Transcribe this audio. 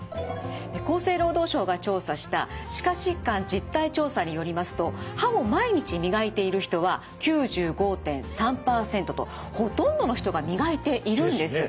厚生労働省が調査した歯科疾患実態調査によりますと歯を毎日磨いている人は９５．３％とほとんどの人が磨いているんです。